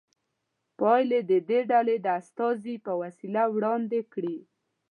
پایلې دې ډلې د استازي په وسیله وړاندې کړي.